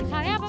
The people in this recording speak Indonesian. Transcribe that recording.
halnya apa ibu